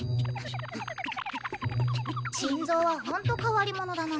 珍蔵はホント変わり者だな。